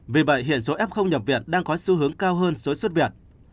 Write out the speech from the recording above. vì vậy hiện số f nhập viện đang có xu hướng cao hơn số xuất viện